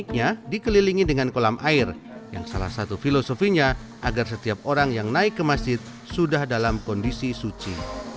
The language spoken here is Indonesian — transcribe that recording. selanjutnya dikelilingi dengan kolam air yang salah satu filosofinya agar setiap orang yang naik ke masjid sudah dalam kondisi suci